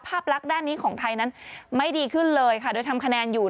ภาพลักษณ์ด้านนี้ของไทยนั้นไม่ดีขึ้นเลยค่ะโดยทำคะแนนอยู่